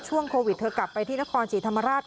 ช่วงโควิดเธอกลับไปที่นครศรีธรรมราช